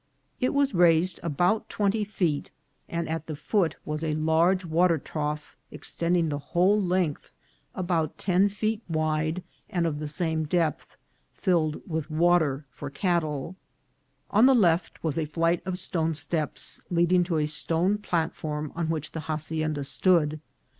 It was raised about twenty feet, and at the foot was a large water trough extending the whole length, about ten feet wide and of the same depth, filled with water for cattle. On the left was a flight of stone steps, leading to a stone plat form on which the hacienda stood.